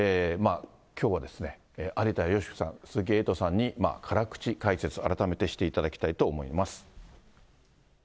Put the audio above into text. きょうは有田芳生さん、鈴木エイトさんに辛口解説、改めてしていただきたいと思います。